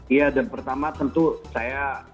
iya dan pertama tentu saya